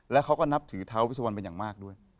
แล้วเขาก็นับถือท้าเวสวันเป็นอย่างมากด้วย